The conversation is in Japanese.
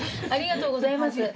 ありがとうございます。